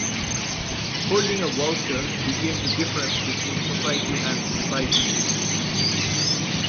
Holding a voucher became the difference between society and Society.